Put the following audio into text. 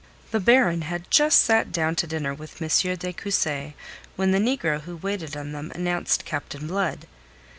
The Baron had just sat down to dinner with M. de Cussy when the negro who waited on them announced Captain Blood.